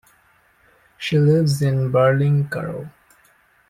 She lives in Berlin-Karow.